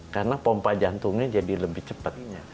karena pompa jantungnya jadi lebih cepat